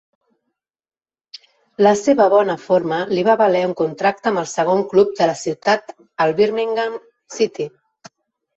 La seva bona forma li va valer un contracte amb el segon club de la ciutat, el Birmingham City.